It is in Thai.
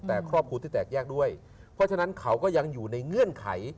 แต่ครอบครัวที่แตกแยกด้วยเพราะฉะนั้นเขาก็ยังอยู่ในเงื่อนไข